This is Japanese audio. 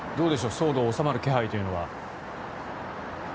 騒動が収まる気配というのは。